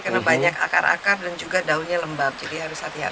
karena banyak akar akar dan juga daunnya lembab jadi harus hati hati tapi